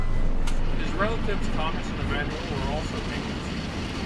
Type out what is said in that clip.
His relatives Thomas and Emmanuel were also painters.